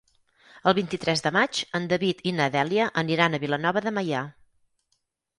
El vint-i-tres de maig en David i na Dèlia aniran a Vilanova de Meià.